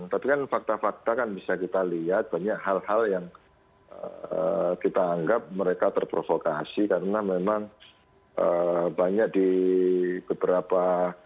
tapi kan fakta fakta kan bisa kita lihat banyak hal hal yang kita anggap mereka terprovokasi karena memang banyak di beberapa